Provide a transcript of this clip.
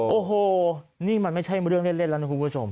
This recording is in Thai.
โอ้โหนี่มันไม่ใช่เรื่องเล่นแล้วนะคุณผู้ชม